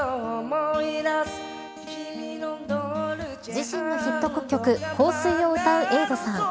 自身のヒット曲香水を歌う瑛人さん